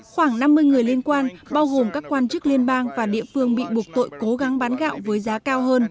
khoảng năm mươi người liên quan bao gồm các quan chức liên bang và địa phương bị buộc tội cố gắng bán gạo với giá cao hơn